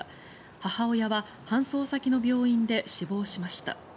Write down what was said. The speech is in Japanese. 母親は搬送先の病院で死亡しました。